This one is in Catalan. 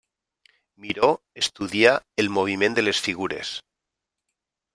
Miró estudia el moviment de les figures.